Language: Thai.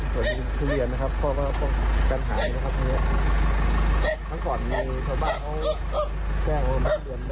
ป้องกันนะครับเพราะว่าที่ผ่านมาปีหนึ่งเสียหายเป็นล้านบาทครับ